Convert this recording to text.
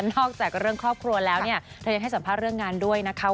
จากเรื่องครอบครัวแล้วเนี่ยเธอยังให้สัมภาษณ์เรื่องงานด้วยนะคะ